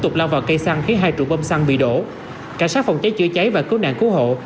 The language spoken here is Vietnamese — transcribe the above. tục lao vào cây xăng khiến hai trụ bơm xăng bị đổ cảnh sát phòng cháy chữa cháy và cứu nạn cứu hộ